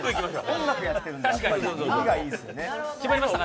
音楽やってるから。